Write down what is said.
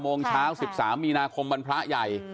โมงเช้า๑๓มีนาคมวันพระใหญ่